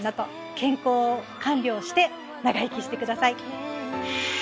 健康管理をして長生きしてください。